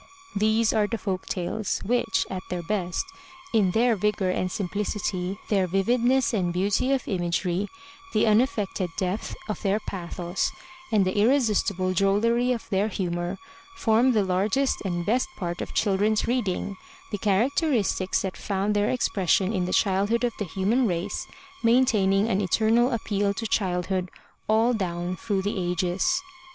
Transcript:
These are the folk tales, which, at their best, in their vigor and simpli city, their vividness and beauty of imagery, the unaffected depth of their pathos and the irresistible drollery of their humor, form the largest and best part of children's reading, the characteristics that found their expression in the childhood of the human race, maintaining an eternal appeal to childhood all down through the ages.